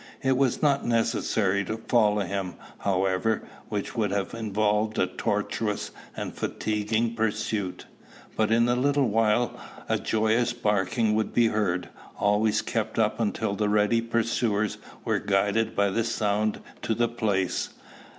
It was not necessary to follow him, however, which would have involved a tortuous and fatiguing pursuit; but in a little while a joyous barking would be heard, always kept up until the ready pursuers were guided by the sound to the place.